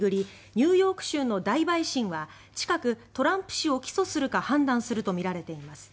ニューヨーク州の大陪審は近くトランプ氏を起訴するか判断するとみられています。